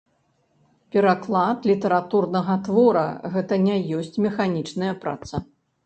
Пераклад літаратурнага твора гэта не ёсць механічная праца.